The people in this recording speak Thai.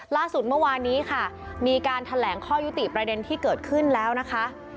ล่าสุดเมื่อวานนี้ค่ะมีการแถลงข้อยุติประเด็นที่เกิดขึ้นแล้วนะคะ